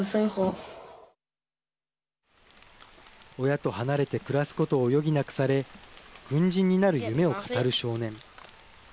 親と離れて暮らすことを余儀なくされ軍人になる夢を語る少年。